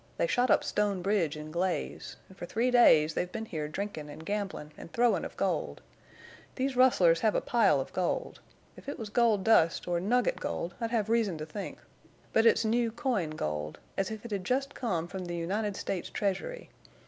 They shot up Stone Bridge an' Glaze, an' fer three days they've been here drinkin' an' gamblin' an' throwin' of gold. These rustlers hev a pile of gold. If it was gold dust or nugget gold I'd hev reason to think, but it's new coin gold, as if it had jest come from the United States treasury.